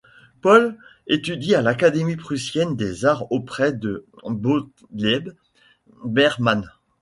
Pohle étudie à l'académie prussienne des arts auprès de Gottlieb Biermann.